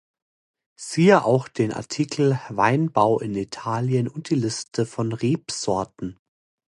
Siehe auch den Artikel Weinbau in Italien und die Liste von Rebsorten.